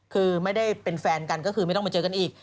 คือไม่ได้เป็นแฟนกันก็คือไม่ต้องมาเจอกันอีก